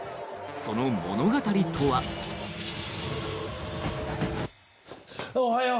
その物語とはおはよう。